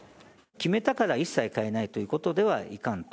決めたから一切変えないということではいかんと。